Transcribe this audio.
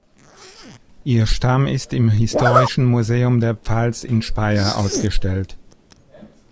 Ihr Stamm ist im Historischen Museum der Pfalz in Speyer ausgestellt.